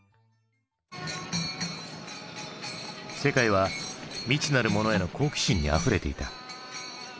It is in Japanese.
世界は未知なるものへの好奇心にあふれていた。